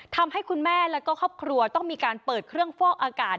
ทำให้คุณแม่และก็ครอบครัวต้องมีการเปิดเครื่องฟอกอากาศ